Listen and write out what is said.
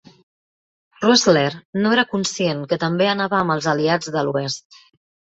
Roessler no era conscient que també anava amb els aliats de l'oest.